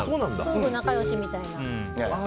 夫婦仲良しみたいな。